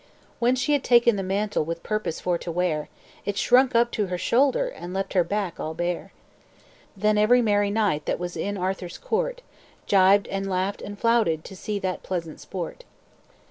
"When she had taken the mantle, With purpose for to wear, It shrunk up to her shoulder, And left her back all bare. "Then every merry knight, That was in Arthur's court, Gibed and laughed and flouted, To see that pleasant sport.